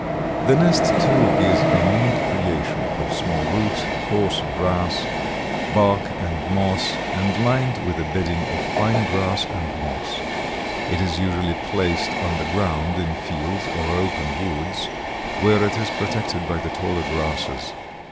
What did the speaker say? ] The nest, too, is a neat creation of small roots, coarse grass, bark and moss and lined with a bedding of fine grass and moss. It is usually placed on the ground in fields or open woods, where it is protected by the taller grasses.